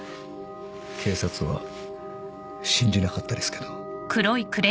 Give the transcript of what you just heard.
警察は信じなかったですけど。